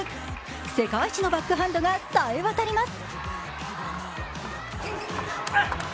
世界一のバックハンドがさえ渡ります。